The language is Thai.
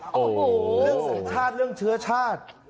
โอ้โหเรื่องสัญชาติเรื่องเชื้อชาติ